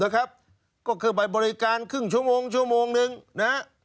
เป็นะครับว่าเขาเข้าไปบริการครึ่งชั่วโมงชั่วโมง๑นะฮะ